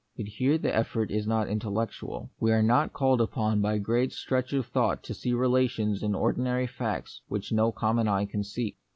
But here the effort is not intellectual. We are not called upon by great stretch of thought to see relations in ordinary facts which no common eye can see.